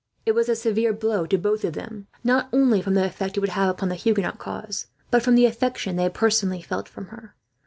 It was a severe blow to both of them, not only from the effect it would have upon the Huguenot cause, but from the affection they personally felt for her.